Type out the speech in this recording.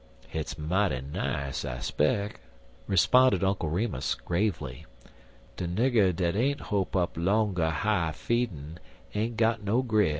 "Hit's mighty nice, I speck," responded Uncle Remus, gravely. "De nigger dat ain't hope up 'longer high feedin' ain't got no grip.